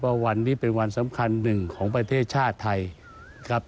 ว่าวันนี้เป็นวันสำคัญหนึ่งของประเทศชาติไทยครับ